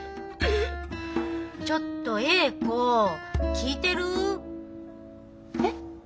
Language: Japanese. ちょっと詠子聞いてる？え？